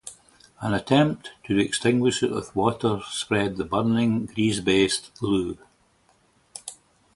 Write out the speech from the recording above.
An attempt to extinguish it with water spread the burning grease-based glue.